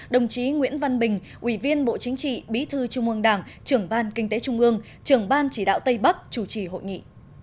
đồng chí nguyễn văn bình ủy viên bộ chính trị bí thư trung ương đảng trưởng ban kinh tế trung ương trưởng ban chỉ đạo tây bắc chủ trì hội nghị